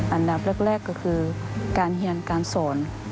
อันดับแรกก็คือการเฮียนการสอน